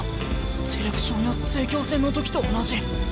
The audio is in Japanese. セレクションや成京戦の時と同じ。